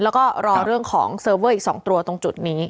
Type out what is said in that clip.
แล้วก็รอเรื่องของเซอร์เวอร์อีก๒ตัวตรงจุดนี้